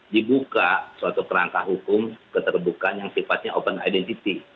dibuka suatu kerangka hukum keterbukaan yang sifatnya open identity